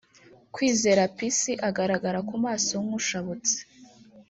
Kwizera Peace agaragara ku maso nk’ushabutse